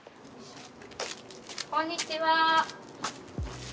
こんにちは。